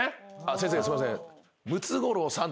先生すいません。